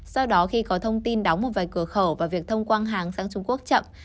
sau đó khi có thông tin đóng một vài cửa khẩu và việc thông quan hàng sang trung quốc chậm